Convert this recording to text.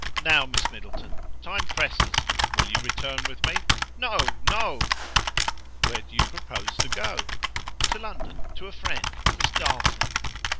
Now, Miss Middleton, time presses: will you return with me?" "No! no!" "Where do you propose to go?" "To London; to a friend Miss Darleton."